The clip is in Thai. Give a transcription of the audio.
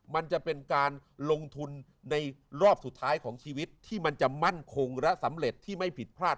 มันจะเป็นการลงทุนในรอบสุดท้ายของชีวิตที่มันจะมั่นคงและสำเร็จที่ไม่ผิดพลาด